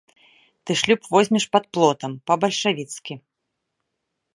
Ты шлюб возьмеш пад плотам, па-бальшавіцку.